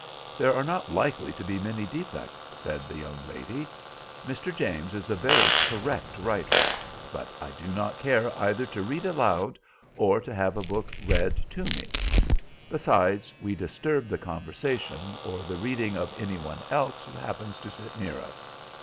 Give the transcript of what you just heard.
"There are not likely to be many defects," said the young lady. "Mr. James is a very correct writer. But I do not care either to read aloud or have a book read to me. Besides, we disturb the conversation or the reading of any one else who happens to sit near us.